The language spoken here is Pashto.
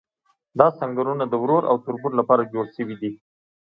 دا سنګرونه د ورور او تربور لپاره جوړ شوي دي.